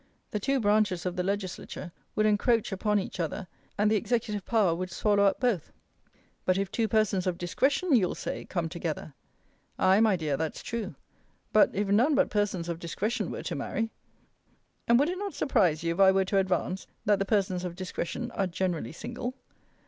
The two branches of the legislature would encroach upon each other; and the executive power would swallow up both. But if two persons of discretion, you'll say, come together Ay, my dear, that's true: but, if none but persons of discretion were to marry And would it not surprise you if I were to advance, that the persons of discretion are generally single?